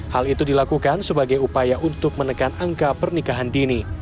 hal itu dilakukan sebagai upaya untuk menekan angka pernikahan dini